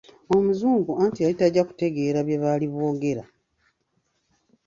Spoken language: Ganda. Omuzungu, anti yali tajja kutegeera bye baali boogera.